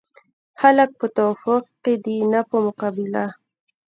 حل په توافق کې دی نه په مقابله.